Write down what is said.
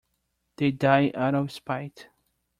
They die out of spite.